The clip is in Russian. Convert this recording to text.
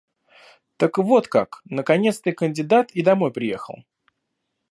Так вот как, наконец ты кандидат и домой приехал.